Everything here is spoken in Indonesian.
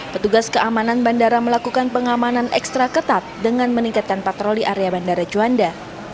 petugas keamanan bandara melakukan pengamanan ekstra ketat dengan meningkatkan patroli area bandara juanda